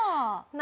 何？